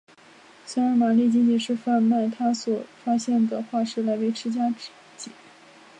虽然玛丽仅仅是贩卖她所发现的化石来维持家计。